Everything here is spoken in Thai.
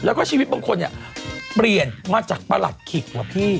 แล้วก็ชีวิตบางคนเนี่ยเปลี่ยนมาจากประหลัดขิกเหรอพี่